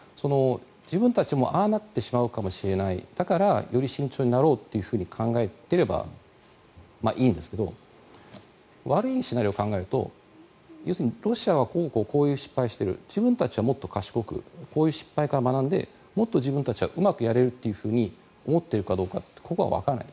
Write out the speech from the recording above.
自分たちもああなってしまうかもしれないだからより慎重になろうと考えていればいいんですけど悪いシナリオを考えると要するに、ロシアはこうこうこういう失敗をしている自分たちはもっと賢くこういう失敗から学んでもっと自分たちはうまくやれると思っているかどうかここはわからない。